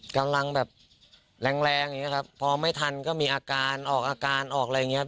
กำลังแบบแหลงพอไม่ทันก็มีอาการออกอาการออกอะไรอย่างนี้ครับ